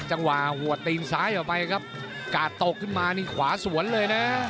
จังหวะหัวตีนซ้ายออกไปครับกาดตกขึ้นมานี่ขวาสวนเลยนะ